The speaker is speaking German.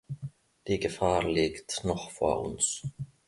Die Gefahr liegt noch vor uns.